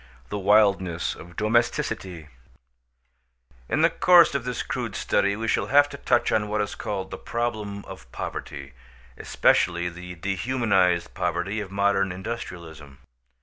THE WILDNESS OF DOMESTICITY In the course of this crude study we shall have to touch on what is called the problem of poverty, especially the dehumanized poverty of modern industrialism.